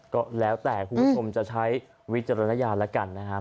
ก็แล้วแต่คุณผู้ชมจะใช้วิจารณญาณแล้วกันนะครับ